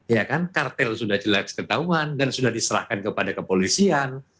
ya kan kartel sudah jelas ketahuan dan sudah diserahkan kepada kepolisian